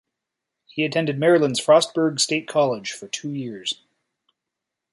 He attended Maryland's Frostburg State College for two years.